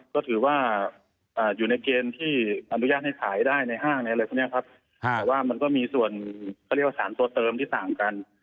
ก็ถือว่าอยู่ในเกณฑ์ที่อนุญาตให้ขายได้ในห้างในอะไรพวกนี้ครับแต่ว่ามันก็มีส่วนเขาเรียกว่าสารตัวเติมที่ต่างกัน